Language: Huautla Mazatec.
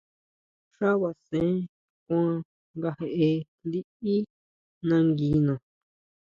Xá basen kuan nga jeʼe liʼí nanguina.